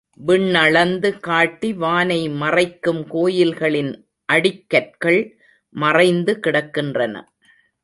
விண்ணளந்து காட்டி வானை மறைக்கும் கோயில்களின் அடிக்கற்கள் மறைந்து கிடக்கின்றன.